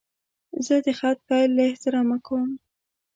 زه د خط پیل له احترامه کوم.